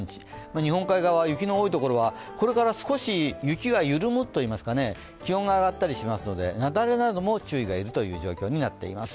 日本海側、雪の多い所はこれから少し雪が緩むといいますか気温が上がったりしますので雪崩なども注意がいるという状況になっています。